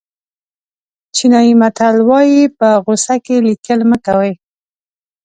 چینایي متل وایي په غوسه کې لیکل مه کوئ.